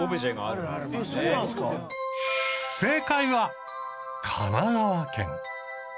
正解は神奈川県。